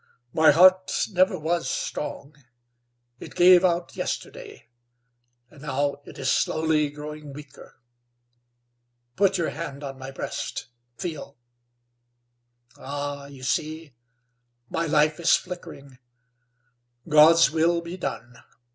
My heart never was strong. It gave out yesterday, and now it is slowly growing weaker. Put your hand on my breast. Feel. Ah! you see! My life is flickering. God's will be done.